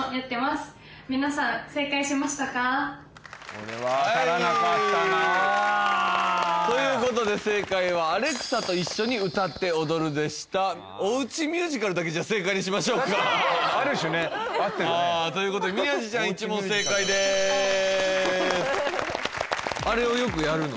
これは分からなかったなということで正解はアレクサと一緒に歌って踊るでしたお家ミュージカルだけじゃあ正解にしましょうかある種ね合ってるねということで宮治ちゃん１問正解ですあれをよくやるの？